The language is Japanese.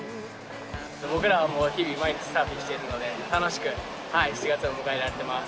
僕らはもう日々、毎日、サーフィンしてるので、楽しく７月を迎えられてます。